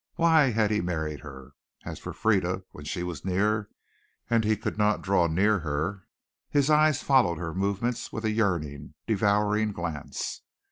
Why had he married her? As for Frieda, when she was near, and he could not draw near her, his eyes followed her movements with a yearning, devouring glance.